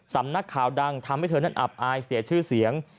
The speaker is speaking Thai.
สำนักข่าวดังทำให้เธอนั้นอับอายเสียชื่อเสียง